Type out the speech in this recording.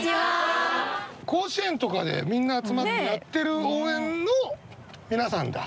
甲子園とかでみんな集まってやってる応援の皆さんだ。